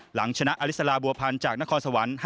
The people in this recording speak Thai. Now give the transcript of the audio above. หลังชนะอลิสลาบัวพันธ์จากนครสวรรค์